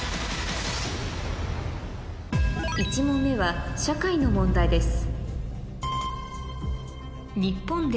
１問目はの問題です